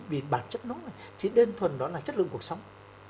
vì bản chất nó chỉ đơn thuần đó là chất lượng cuộc sống